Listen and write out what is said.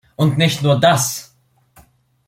Und nicht nur das!